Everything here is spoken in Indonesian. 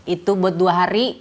itu buat dua hari